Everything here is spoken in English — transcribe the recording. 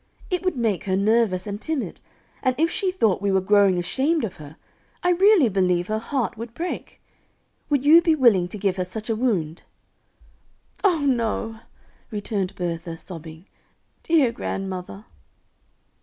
It would make her nervous and timid, and if she thought we were growing ashamed of her, I really believe her heart would break. Would you be willing to give her such a wound?" "Oh, no," returned Bertha, sobbing. "Dear grandmother."